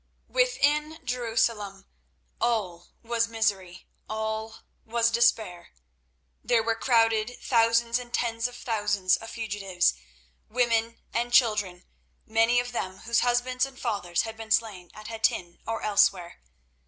Within Jerusalem all was misery, all was despair. There were crowded thousands and tens of thousands of fugitives, women and children, many of them, whose husbands and fathers had been slain at Hattin or elsewhere.